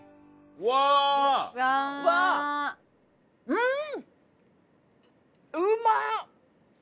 うん！